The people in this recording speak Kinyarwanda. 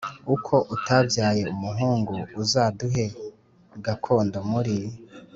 Uko atabyaye umuhungu uzaduhe gakondo muri